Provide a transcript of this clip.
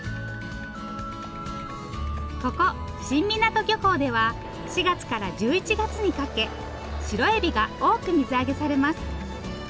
ここ新湊漁港では４月から１１月にかけシロエビが多く水揚げされます。